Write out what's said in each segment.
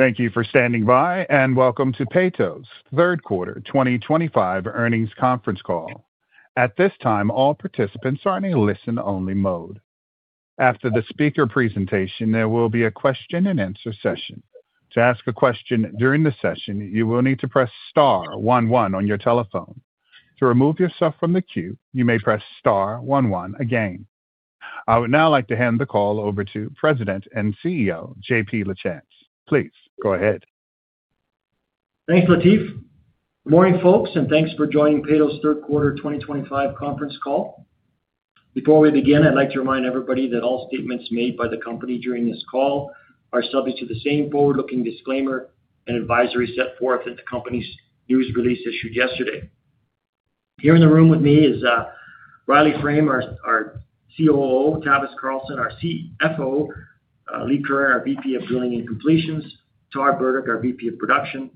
Thank you for standing by, and welcome to Peyto's Third Quarter 2025 Earnings Conference Call. At this time, all participants are in a listen-only mode. After the speaker presentation, there will be a question-and-answer session. To ask a question during the session, you will need to press Star one one on your telephone. To remove yourself from the queue, you may press Star one one again. I would now like to hand the call over to President and CEO, J.P. Lachance. Please go ahead. Thanks, Latif. Good morning, folks, and thanks for joining Peyto's Third Quarter 2025 Conference Call. Before we begin, I'd like to remind everybody that all statements made by the company during this call are subject to the same forward-looking disclaimer and advisory set forth in the company's news release issued yesterday. Here in the room with me is Riley Frame, our COO; Tavis Carlson, our CFO; Lee Curran, our VP of Drilling and Completions; Todd Burdick, our VP of Production;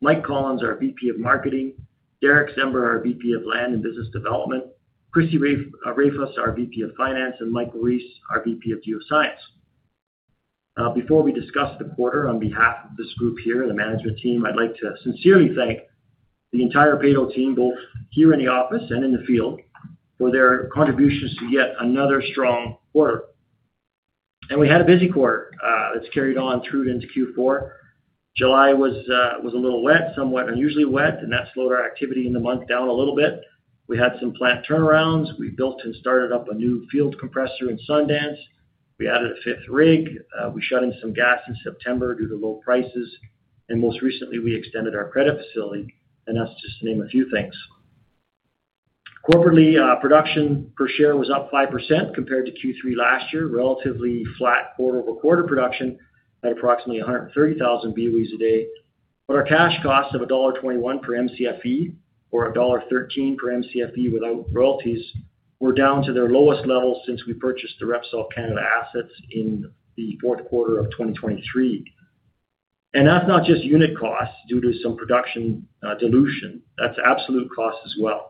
Mike Collins, our VP of Marketing; Derek Sember, our VP of Land and Business Development; Chrissy Raffas, our VP of Finance; and Michael Reese, our VP of Geoscience. Before we discuss the quarter, on behalf of this group here, the management team, I'd like to sincerely thank the entire Peyto team, both here in the office and in the field, for their contributions to yet another strong quarter. We had a busy quarter that has carried on through into Q4. July was a little wet, somewhat unusually wet, and that slowed our activity in the month down a little bit. We had some plant turnarounds. We built and started up a new field compressor in Sundance. We added a fifth rig. We shut in some gas in September due to low prices. Most recently, we extended our credit facility. That is just to name a few things. Corporately, production per share was up five percent compared to Q3 last year, with relatively flat quarter-over-quarter production at approximately 130,000 BOE a day. Our cash costs of dollar 1.21 per MCFE, or dollar 1.13 per MCFE without royalties, were down to their lowest level since we purchased the Repsol Canada assets in the fourth quarter of 2023. That is not just unit costs due to some production dilution. That's absolute costs as well.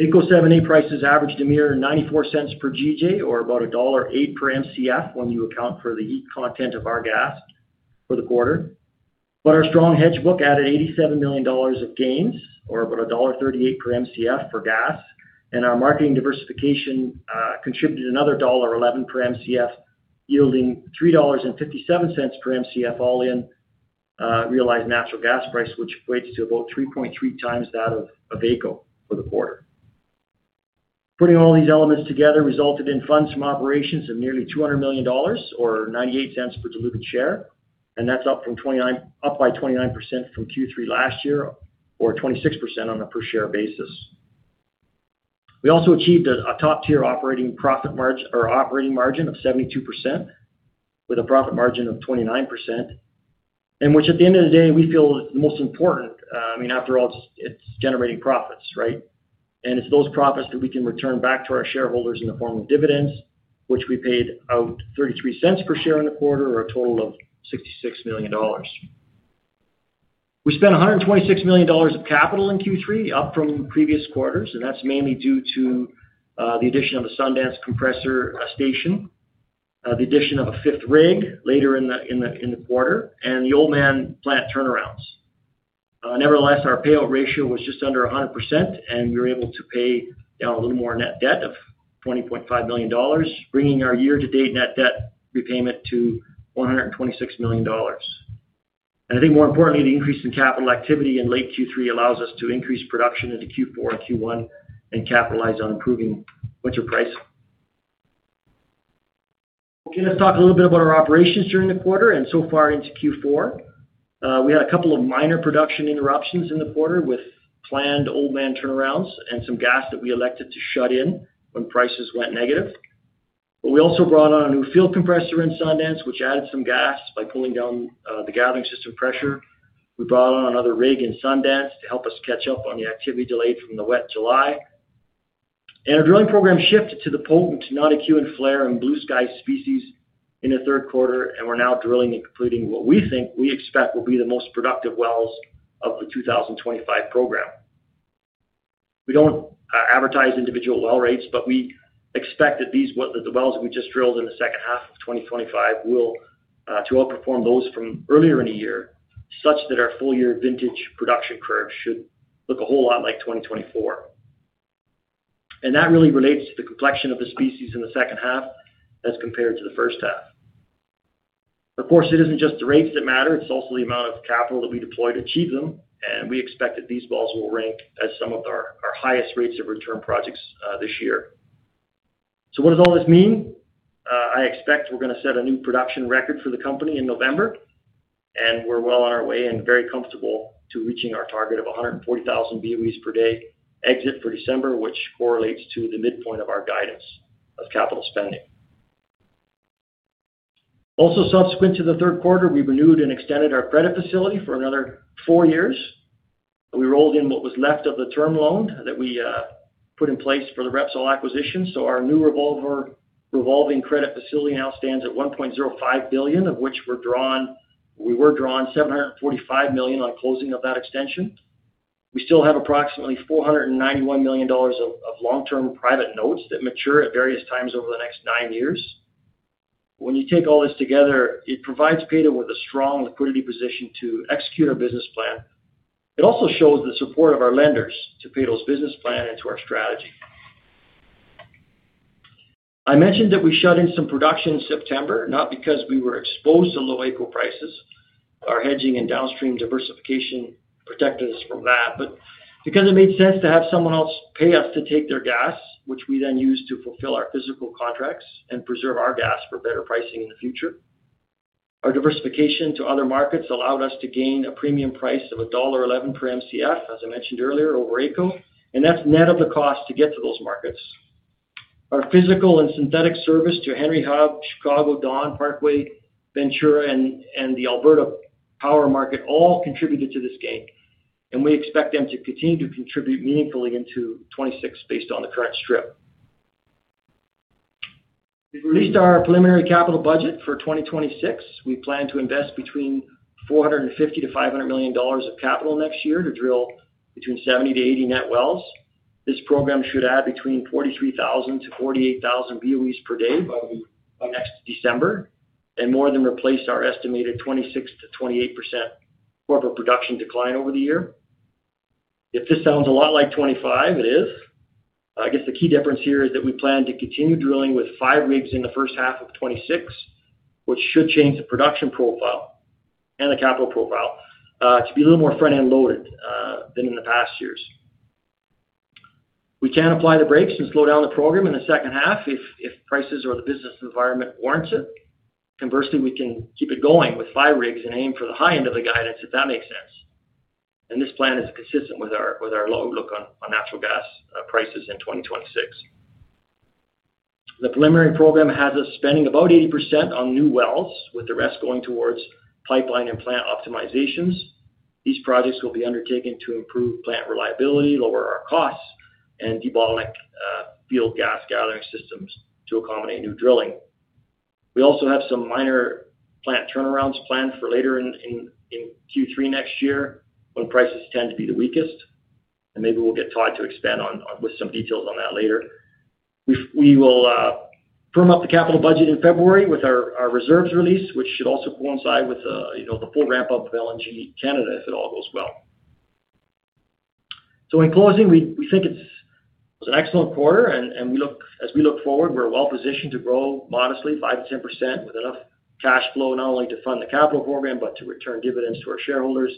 AECO prices averaged a mere $0.94 per GJ, or about $1.08 per MCF when you account for the heat content of our gas for the quarter. Our strong hedge book added $87 million of gains, or about $1.38 per MCF for gas. Our marketing diversification contributed another $1.11 per MCF, yielding $3.57 per MCF all in realized natural gas price, which equates to about 3.3 times that of AECO for the quarter. Putting all these elements together resulted in funds from operations of nearly $200 million, or $0.98 per diluted share. That is up by 29% from Q3 last year, or 26% on a per-share basis. We also achieved a top-tier operating profit margin or operating margin of 72%, with a profit margin of 29%, which at the end of the day, we feel is the most important.I mean, after all, it's generating profits, right? And it's those profits that we can return back to our shareholders in the form of dividends, which we paid out 0.33 per share in the quarter, or a total of 66 million dollars. We spent 126 million dollars of capital in Q3, up from previous quarters. And that's mainly due to the addition of the Sundance compressor station, the addition of a fifth rig later in the quarter, and the Oldman plant turnarounds. Nevertheless, our payout ratio was just under 100%, and we were able to pay down a little more net debt of 20.5 million dollars, bringing our year-to-date net debt repayment to 126 million dollars. And I think more importantly, the increase in capital activity in late Q3 allows us to increase production into Q4 and Q1 and capitalize on improving winter pricing. Okay, let's talk a little bit about our operations during the quarter and so far into Q4. We had a couple of minor production interruptions in the quarter with planned old man turnarounds and some gas that we elected to shut in when prices went negative. We also brought on a new field compressor in Sundance, which added some gas by pulling down the gathering system pressure. We brought on another rig in Sundance to help us catch up on the activity delayed from the wet July. Our drilling program shifted to the Potent, Notikewin, Falher, and Bluesky species in the third quarter, and we're now drilling and completing what we think we expect will be the most productive wells of the 2025 program. We don't advertise individual well rates, but we expect that the wells that we just drilled in the second half of 2025 will outperform those from earlier in the year, such that our full-year vintage production curve should look a whole lot like 2024. That really relates to the complexion of the species in the second half as compared to the first half. Of course, it isn't just the rates that matter. It's also the amount of capital that we deploy to achieve them. We expect that these wells will rank as some of our highest rates of return projects this year. What does all this mean? I expect we're going to set a new production record for the company in November, and we're well on our way and very comfortable to reaching our target of 140,000 BOE per day exit for December, which correlates to the midpoint of our guidance of capital spending. Also, subsequent to the third quarter, we renewed and extended our credit facility for another four years. We rolled in what was left of the term loan that we put in place for the Repsol acquisition. So our new revolving credit facility now stands at 1.05 billion, of which we were drawn 745 million on closing of that extension. We still have approximately 491 million dollars of long-term private notes that mature at various times over the next nine years. When you take all this together, it provides Peyto with a strong liquidity position to execute our business plan.It also shows the support of our lenders to Peyto's business plan and to our strategy. I mentioned that we shut in some production in September, not because we were exposed to low AECO prices. Our hedging and downstream diversification protected us from that, but because it made sense to have someone else pay us to take their gas, which we then use to fulfill our physical contracts and preserve our gas for better pricing in the future. Our diversification to other markets allowed us to gain a premium price of dollar 1.11 per MCF, as I mentioned earlier, over AECO. That is net of the cost to get to those markets. Our physical and synthetic service to Henry Hub, Chicago, Dawn Parkway, Ventura, and the Alberta Power market all contributed to this gain. We expect them to continue to contribute meaningfully into 2026 based on the current strip. We've released our preliminary capital budget for 2026. We plan to invest between 450 million-500 million dollars of capital next year to drill between 70-80 net wells. This program should add between 43,000-48,000 BOEs per day by next December and more than replace our estimated 26%-28% corporate production decline over the year. If this sounds a lot like '25, it is. I guess the key difference here is that we plan to continue drilling with five rigs in the first half of 2026, which should change the production profile and the capital profile to be a little more front-end loaded than in the past years. We can apply the brakes and slow down the program in the second half if prices or the business environment warrants it. Conversely, we can keep it going with five rigs and aim for the high end of the guidance, if that makes sense. This plan is consistent with our outlook on natural gas prices in 2026. The preliminary program has us spending about 80% on new wells, with the rest going towards pipeline and plant optimizations. These projects will be undertaken to improve plant reliability, lower our costs, and deballing field gas gathering systems to accommodate new drilling. We also have some minor plant turnarounds planned for later in Q3 next year when prices tend to be the weakest. Maybe we will get Todd to expand with some details on that later. We will firm up the capital budget in February with our reserves release, which should also coincide with the full ramp-up of LNG Canada, if it all goes well. In closing, we think it was an excellent quarter. As we look forward, we're well positioned to grow modestly, 5-10%, with enough cash flow not only to fund the capital program, but to return dividends to our shareholders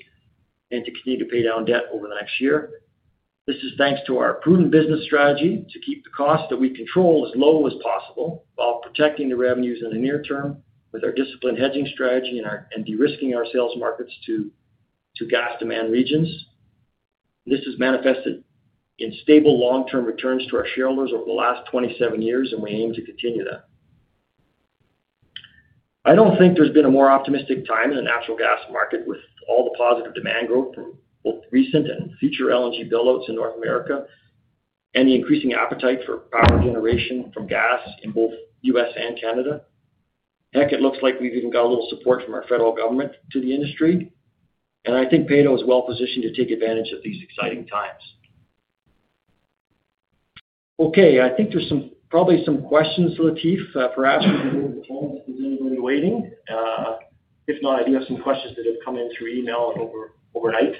and to continue to pay down debt over the next year. This is thanks to our prudent business strategy to keep the cost that we control as low as possible while protecting the revenues in the near term with our disciplined hedging strategy and de-risking our sales markets to gas demand regions. This has manifested in stable long-term returns to our shareholders over the last 27 years, and we aim to continue that.I don't think there's been a more optimistic time in the natural gas market with all the positive demand growth from both recent and future LNG build loads in North America and the increasing appetite for power generation from gas in both the U.S. and Canada. Heck, it looks like we've even got a little support from our federal government to the industry. I think Peyto is well positioned to take advantage of these exciting times. Okay, I think there's probably some questions, Latif, perhaps from the room at home if there's anybody waiting. If not, I do have some questions that have come in through email overnight.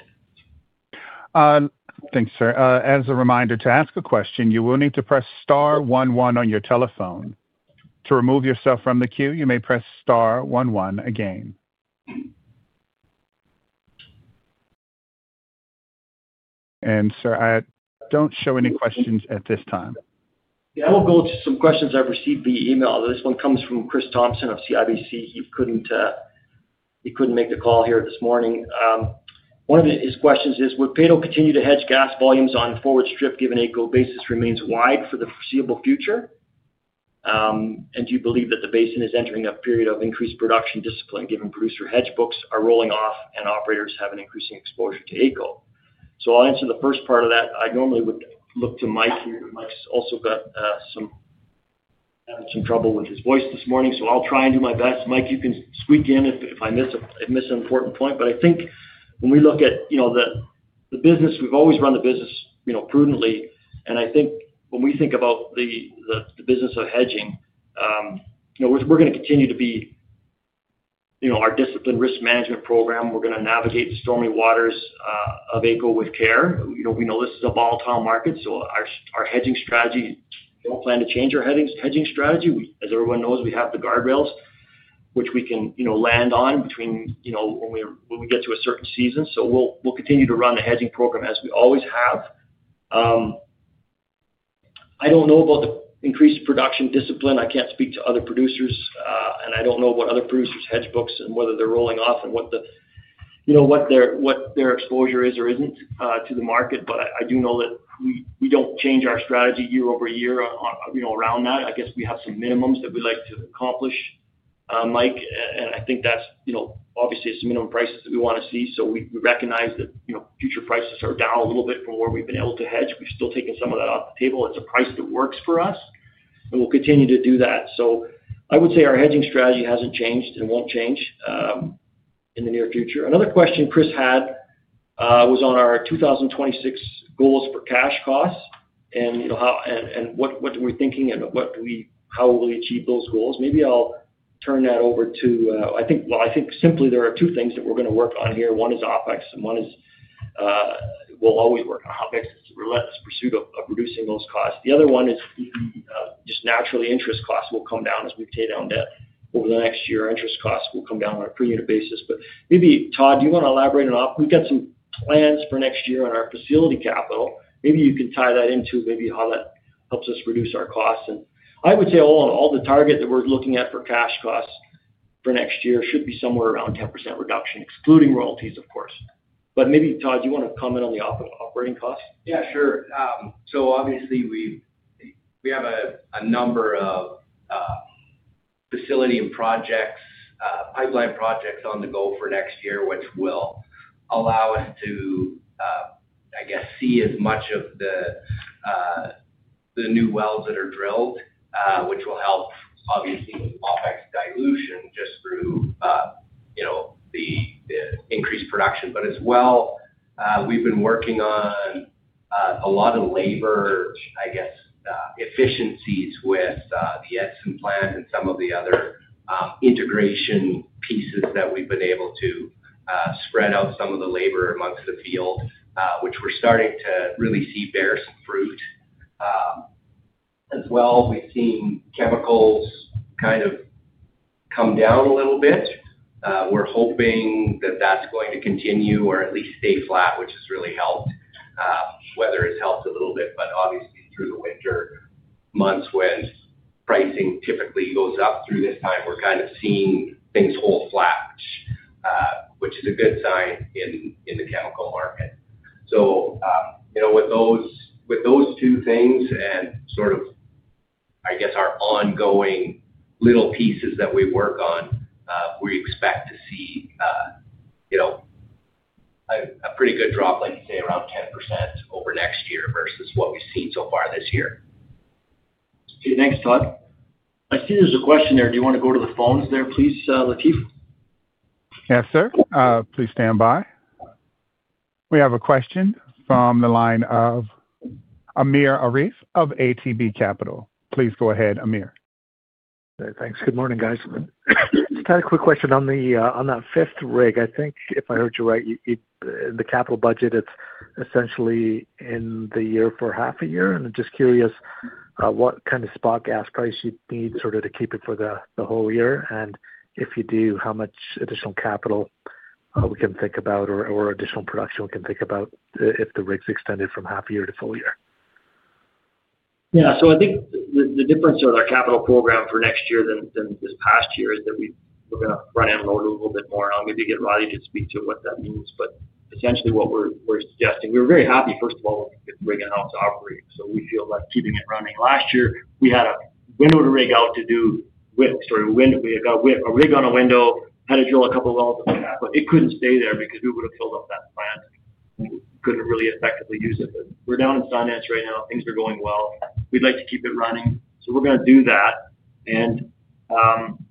Thanks, sir. As a reminder to ask a question, you will need to press Star one one on your telephone. To remove yourself from the queue, you may press Star one one again. Sir, I do not show any questions at this time. Yeah, I will go to some questions I've received via email. This one comes from Chris Thompson of CIBC. He couldn't make the call here this morning. One of his questions is, would Peyto continue to hedge gas volumes on the forward strip given AECO basis remains wide for the foreseeable future? Do you believe that the basin is entering a period of increased production discipline given producer hedge books are rolling off and operators have an increasing exposure to AECO? I'll answer the first part of that. I normally would look to Mike here. Mike's also got some trouble with his voice this morning, so I'll try and do my best. Mike, you can squeak in if I miss an important point. I think when we look at the business, we've always run the business prudently.I think when we think about the business of hedging, we're going to continue to be our disciplined risk management program. We're going to navigate the stormy waters of AECO with care. We know this is a volatile market, so our hedging strategy, we don't plan to change our hedging strategy. As everyone knows, we have the guardrails, which we can land on between when we get to a certain season. We'll continue to run the hedging program as we always have. I don't know about the increased production discipline. I can't speak to other producers, and I don't know what other producers' hedge books and whether they're rolling off and what their exposure is or isn't to the market. I do know that we don't change our strategy year over year around that. I guess we have some minimums that we'd like to accomplish, Mike. I think that's obviously some minimum prices that we want to see. We recognize that future prices are down a little bit from where we've been able to hedge. We've still taken some of that off the table. It's a price that works for us, and we'll continue to do that. I would say our hedging strategy hasn't changed and won't change in the near future. Another question Chris had was on our 2026 goals for cash costs and what we're thinking and how we'll achieve those goals. Maybe I'll turn that over to, I think simply there are two things that we're going to work on here. One is OPEX, and one is we'll always work on OPEX. It's a relentless pursuit of reducing those costs. The other one is just naturally interest costs will come down as we pay down debt over the next year. Interest costs will come down on a per unit basis. Maybe, Todd, do you want to elaborate on OPEX? We've got some plans for next year on our facility capital. Maybe you can tie that into maybe how that helps us reduce our costs. I would say all in all, the target that we're looking at for cash costs for next year should be somewhere around 10% reduction, excluding royalties, of course. Maybe, Todd, do you want to comment on the operating costs? Yeah, sure. Obviously, we have a number of facility and projects, pipeline projects on the go for next year, which will allow us to, I guess, see as much of the new wells that are drilled, which will help, obviously, with OPEX dilution just through the increased production. As well, we've been working on a lot of labor, I guess, efficiencies with the Edson plant and some of the other integration pieces that we've been able to spread out some of the labor amongst the field, which we're starting to really see bear some fruit. As well, we've seen chemicals kind of come down a little bit. We're hoping that that's going to continue or at least stay flat, which has really helped, weather has helped a little bit. Obviously, through the winter months, when pricing typically goes up through this time, we're kind of seeing things hold flat, which is a good sign in the chemical market. With those two things and sort of, I guess, our ongoing little pieces that we work on, we expect to see a pretty good drop, like you say, around 10% over next year versus what we've seen so far this year. Okay, thanks, Todd. I see there's a question there. Do you want to go to the phones there, please, Latif? Yes, sir. Please stand by. We have a question from the line of Amir Arif of ATB Capital Markets. Please go ahead, Amir. Thanks. Good morning, guys. Just had a quick question on that fifth rig. I think, if I heard you right, the capital budget, it's essentially in the year for half a year. I am just curious what kind of spot gas price you need sort of to keep it for the whole year. If you do, how much additional capital we can think about or additional production we can think about if the rig is extended from half a year to full year? Yeah. I think the difference of our capital program for next year than this past year is that we're going to front-end load a little bit more. I'll maybe get Riley to speak to what that means. Essentially, what we're suggesting, we were very happy, first of all, with rigging out to operate. We feel like keeping it running. Last year, we had a window to rig out to do, sorry, a rig on a window, had to drill a couple of wells and stuff. It could not stay there because we would have filled up that plant. We could not really effectively use it. We are down in Sundance right now. Things are going well. We would like to keep it running. We are going to do that.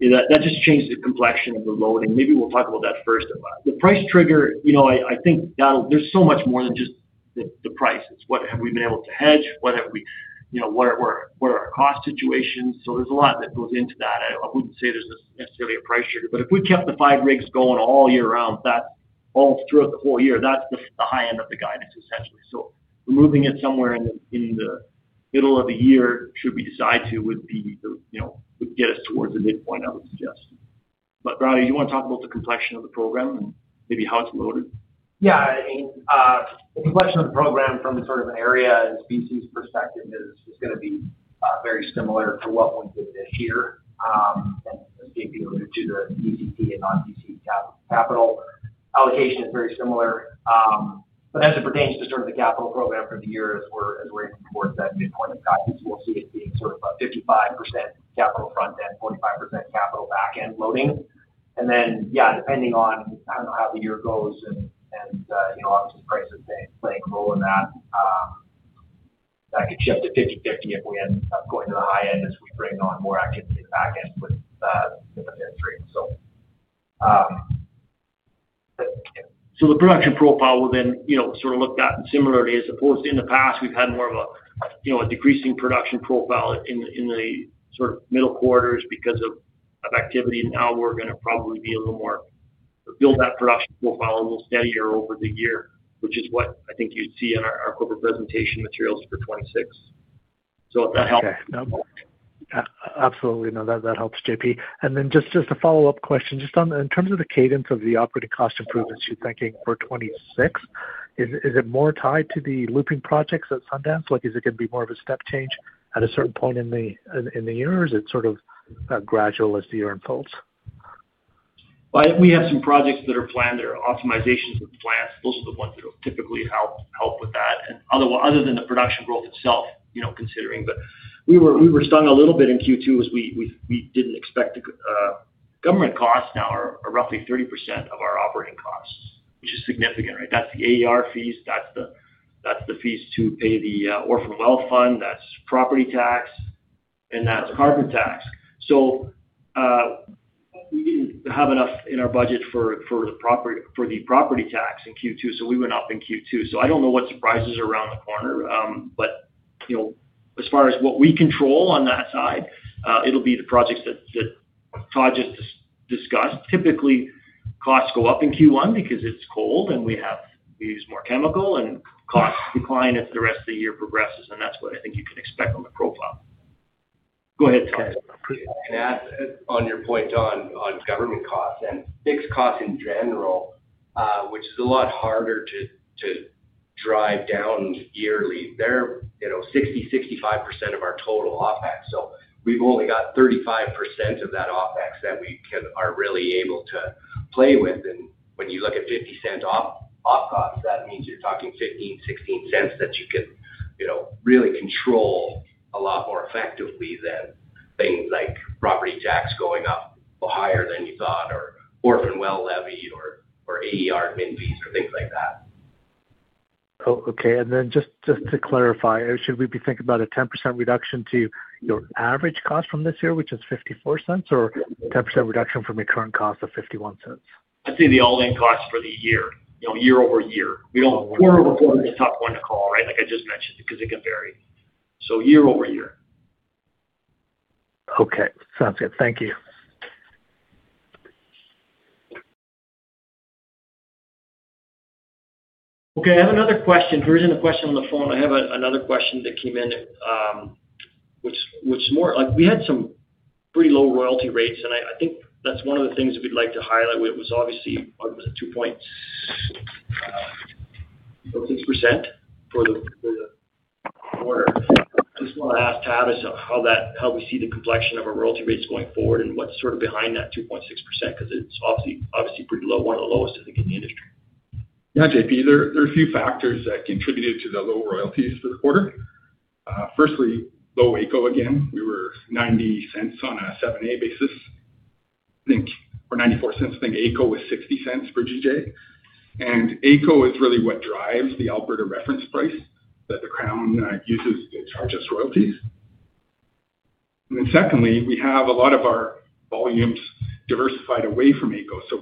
That just changed the complexion of the loading. Maybe we will talk about that first. The price trigger, I think there's so much more than just the price. It's what have we been able to hedge? What are our cost situations? There's a lot that goes into that. I wouldn't say there's necessarily a price trigger. If we kept the five rigs going all year round, that's all throughout the whole year. That's the high end of the guidance, essentially. Removing it somewhere in the middle of the year, should we decide to, would get us towards the midpoint, I would suggest. Riley, do you want to talk about the complexion of the program and maybe how it's loaded? Yeah. The complexion of the program from sort of an area and species perspective is going to be very similar to what we did this year. I think we alluded to the DCP and non-DCP capital allocation is very similar. As it pertains to sort of the capital program for the year, as we're aiming towards that midpoint of guidance, we'll see it being sort of a 55% capital front-end, 45% capital back-end loading. Then, yeah, depending on how the year goes and obviously price is playing a role in that, that could shift to 50/50 if we end up going to the high end as we bring on more activity in the back end with the midstream, so. The production profile will then sort of look at similarly, as opposed to in the past, we've had more of a decreasing production profile in the sort of middle quarters because of activity. Now we're going to probably be a little more build that production profile a little steadier over the year, which is what I think you'd see in our corporate presentation materials for 2026. If that helps. Okay. Absolutely. No, that helps, JP. Just a follow-up question. Just in terms of the cadence of the operating cost improvements you're thinking for 2026, is it more tied to the looping projects at Sundance? Is it going to be more of a step change at a certain point in the year? Or is it sort of gradual as the year unfolds? We have some projects that are planned that are optimizations of the plants. Those are the ones that will typically help with that. Other than the production growth itself, considering that we were stung a little bit in Q2 as we did not expect to, government costs now are roughly 30% of our operating costs, which is significant, right? That is the AER fees. That is the fees to pay the Orphan Well Fund. That is property tax. That is carbon tax. We did not have enough in our budget for the property tax in Q2, so we went up in Q2. I do not know what surprises are around the corner. As far as what we control on that side, it will be the projects that Todd just discussed. Typically, costs go up in Q1 because it's cold and we use more chemical, and costs decline as the rest of the year progresses. That's what I think you can expect on the profile. Go ahead, Todd. On your point on government costs and fixed costs in general, which is a lot harder to drive down yearly. They are 60-65% of our total OPEX. We have only got 35% of that OPEX that we are really able to play with. When you look at 50 cents off costs, that means you are talking 15-16 cents that you can really control a lot more effectively than things like property tax going up higher than you thought or orphan well levy or AER min fees or things like that. Okay. Just to clarify, should we be thinking about a 10% reduction to your average cost from this year, which is 0.54, or a 10% reduction from your current cost of 0.51? I'd say the all-in cost for the year, year over year. We don't want the top one to call, right? Like I just mentioned, because it can vary. So year over year. Okay. Sounds good. Thank you. Okay. I have another question. There isn't a question on the phone. I have another question that came in, which is more like we had some pretty low royalty rates. I think that's one of the things we'd like to highlight. It was obviously, what was it, 2.6% for the quarter. I just want to ask Todd how we see the complexion of our royalty rates going forward and what's sort of behind that 2.6% because it's obviously pretty low, one of the lowest, I think, in the industry. Yeah, JP, there are a few factors that contributed to the low royalties for the quarter. Firstly, low AECO again. We were $0.90 on a 7A basis. I think, or $0.94. I think AECO was $0.60 per GJ. And AECO is really what drives the Alberta reference price that the Crown uses to charge us royalties. Secondly, we have a lot of our volumes diversified away from AECO.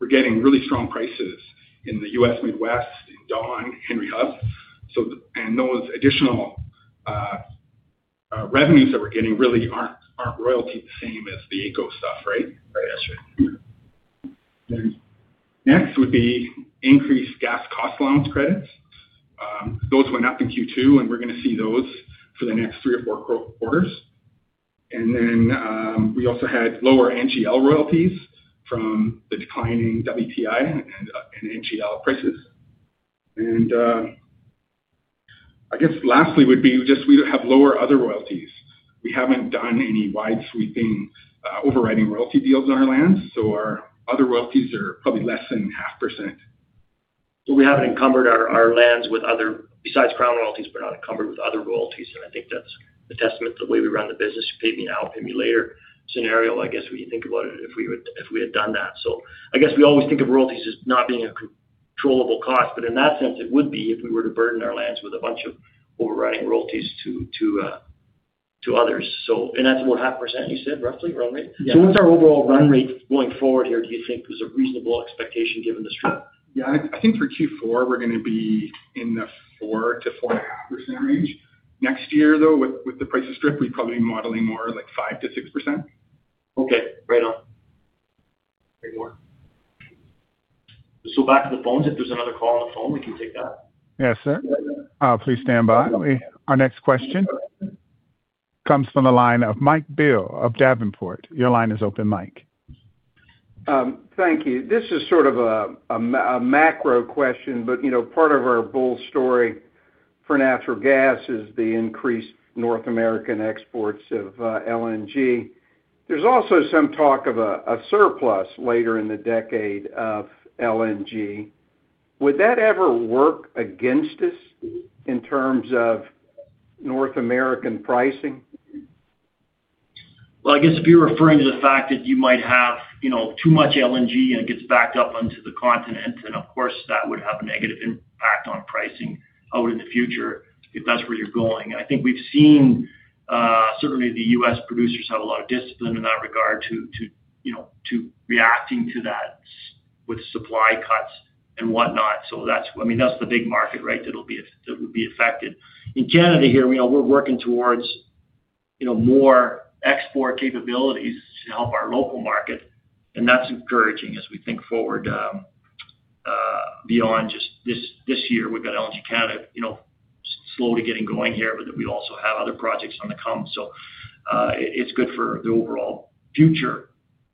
We are getting really strong prices in the US Midwest, in Dawn, Henry Hub. Those additional revenues that we are getting really are not royalty the same as the AECO stuff, right? Right. That's right. Next would be increased gas cost allowance credits. Those went up in Q2, and we're going to see those for the next three or four quarters. We also had lower NGL royalties from the declining WTI and NGL prices. Lastly would be just we have lower other royalties. We haven't done any wide sweeping overriding royalty deals on our lands. Our other royalties are probably less than 0.5%. We have not encumbered our lands with other, besides Crown royalties, but not encumbered with other royalties. I think that is a testament to the way we run the business, pay me now, pay me later scenario, I guess, when you think about it, if we had done that. I guess we always think of royalties as not being a controllable cost. In that sense, it would be if we were to burden our lands with a bunch of overriding royalties to others. That is about 0.5%, you said, roughly, run rate? Yeah. What's our overall run rate going forward here, do you think, is a reasonable expectation given the strip? Yeah. I think for Q4, we're going to be in the 4-4.5% range. Next year, though, with the price of strip, we'd probably be modeling more like 5-6%. Okay. Right on. Back to the phones. If there's another call on the phone, we can take that. Yes, sir. Please stand by. Our next question comes from the line of Mike B of Davenport & Company. Your line is open, Mike. Thank you. This is sort of a macro question, but part of our bull story for natural gas is the increased North American exports of LNG. There is also some talk of a surplus later in the decade of LNG. Would that ever work against us in terms of North American pricing? I guess if you're referring to the fact that you might have too much LNG and it gets backed up onto the continent, then of course, that would have a negative impact on pricing out in the future if that's where you're going. I think we've seen certainly the US producers have a lot of discipline in that regard to reacting to that with supply cuts and whatnot. I mean, that's the big market, right, that will be affected. In Canada here, we're working towards more export capabilities to help our local market. That's encouraging as we think forward beyond just this year. We've got LNG Canada slowly getting going here, but we also have other projects on the come. It's good for the overall future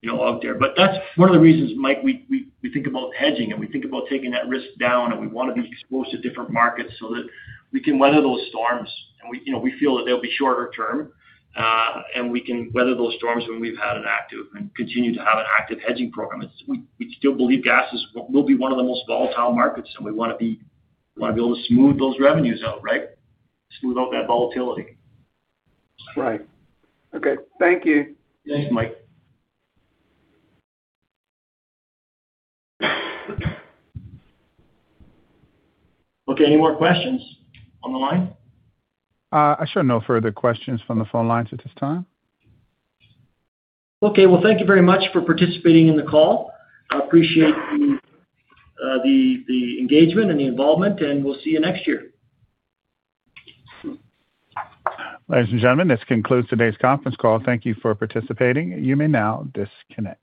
out there. That is one of the reasons, Mike, we think about hedging and we think about taking that risk down and we want to be exposed to different markets so that we can weather those storms. We feel that they will be shorter term. We can weather those storms when we have had an active and continue to have an active hedging program. We still believe gas will be one of the most volatile markets, and we want to be able to smooth those revenues out, right? Smooth out that volatility. Right. Okay. Thank you. Thanks, Mike. Okay. Any more questions on the line? I show no further questions from the phone lines at this time. Okay. Thank you very much for participating in the call. I appreciate the engagement and the involvement, and we'll see you next year. Ladies and gentlemen, this concludes today's conference call. Thank you for participating. You may now disconnect.